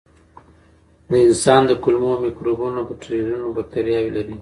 د انسان د کولمو مایکروبیوم په ټریلیونونو بکتریاوې لري.